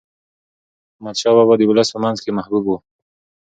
احمد شاه بابا د ولس په منځ کې محبوب و.